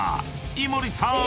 ［井森さーん！